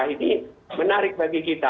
ini menarik bagi kita